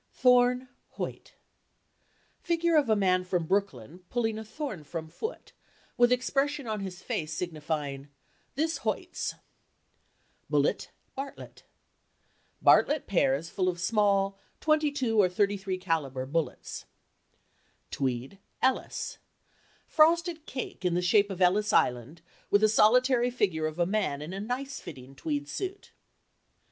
"Thorne Hoyt—figure of a man from Brooklyn pulling a thorn from foot with expression on his face signifying "This hoits." "Bullitt Bartlett—bartlett pears full of small 22 or 33 calibre bullets. "Tweed Ellis"—frosted cake in the shape of Ellis Island with a solitary figure of a man in a nice fitting tweed suit.